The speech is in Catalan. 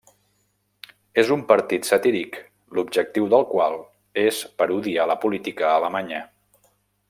És un partit satíric, l'objectiu del qual és parodiar la política alemanya.